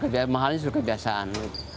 biar mahalnya sudah kebiasaan